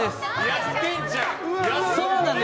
やってんじゃん！